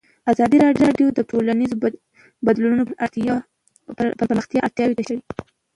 ازادي راډیو د ټولنیز بدلون د پراختیا اړتیاوې تشریح کړي.